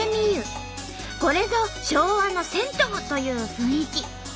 これぞ昭和の銭湯！という雰囲気。